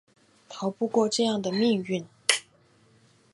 逃不过这样的命运